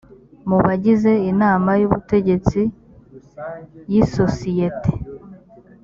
mu bagize inama y’ubutegetsi y]isosiyete